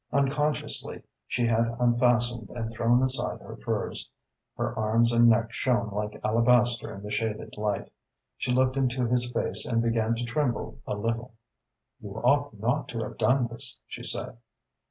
Unconsciously she had unfastened and thrown aside her furs. Her arms and neck shone like alabaster in the shaded light. She looked into his face and began to tremble a little. "You ought not to have done this," she said.